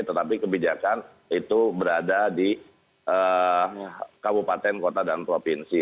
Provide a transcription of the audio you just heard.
tetapi kebijakan itu berada di kabupaten kota dan provinsi